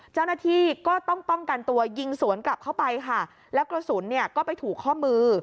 เจ้าหน้าที่ก็ต้องป้องกันตัวยิงสวนกลับเข้าไปค่ะแล้วกระสุนเนี่ยก็ไปถูกข้อมือ